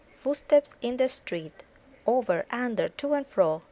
Footsteps in the street. Over, under, to and fro.